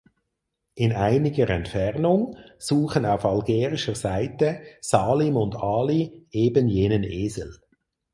In einiger Entfernung suchen auf algerischer Seite Salim und Ali eben jenen Esel.